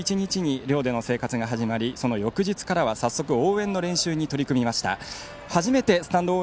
今月２１日に寮での生活が始まりその翌日からは早速応援の練習に取り組みました。